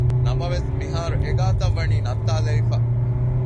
ނަމަވެސް މިހާރު އެގާތައް ވަނީ ނައްތާލެވިފަ